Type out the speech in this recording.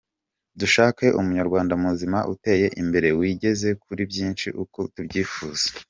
Dushaka umunyarwanda muzima uteye imbere, wigeza kuri byinshi uko tubyifuza.”